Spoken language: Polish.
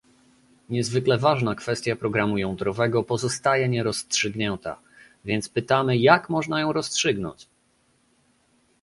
Niezwykle ważna kwestia programu jądrowego pozostaje nierozstrzygnięta, więc pytamy, jak można ją rozstrzygnąć?